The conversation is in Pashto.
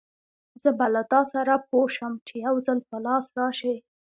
زه به له تاسره پوه شم، چې يوځل په لاس راشې!